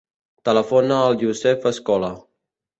Telefona al Yousef Escola.